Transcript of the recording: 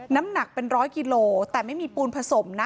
น้ำหนักเป็นร้อยกิโลแต่ไม่มีปูนผสมนะ